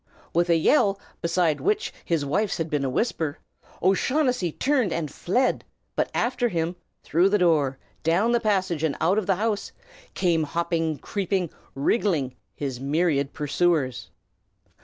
With a yell beside which his wife's had been a whisper, O'Shaughnessy turned and fled; but after him through the door, down the passage and out of the house came hopping, creeping, wriggling his myriad pursuers.